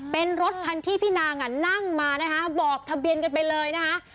เป็นรถคันที่พี่นางนั่งมานะคะบอกทะเบียนกันไปเลยนะคะ